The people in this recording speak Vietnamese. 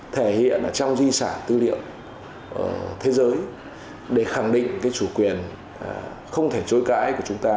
thể hiện ở trong di sản tư liệu thế giới để khẳng định cái chủ quyền không thể chối cãi của chúng ta